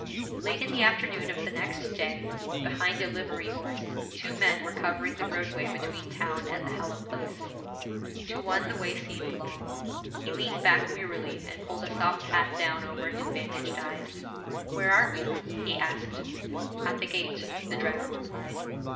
Late in the afternoon of the next day, behind a livery horse, two men were covering the roadway between town and the Hallam place. To one the way seemed long. He leaned back wearily and pulled a soft hat down over his bandaged eyes. 'Where are we?' he asked. 'At the gate,' the driver replied.